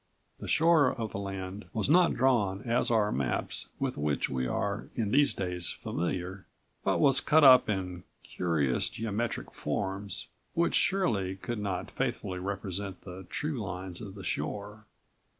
The shore of the land was not drawn as are maps with which we are in these days familiar, but was cut up in curious geometric forms which surely could not faithfully represent the true lines of the shore.